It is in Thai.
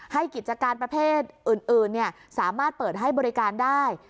กิจการประเภทอื่นสามารถเปิดให้บริการได้